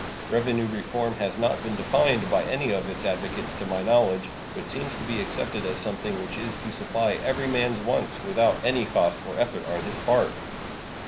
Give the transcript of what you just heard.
Revenue reform has not been defined by any of its advocates to my knowledge, but seems to be accepted as something which is to supply every man's wants without any cost or effort on his part.